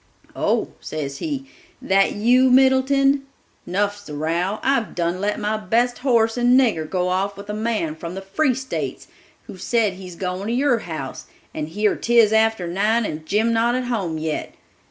'Oh,' says he, 'that you, Middleton? Nuff's the row. I've done let my best horse and nigger go off with a man from the free States, who said he's going to your house, and here 'tis after nine and Jim not at home yet.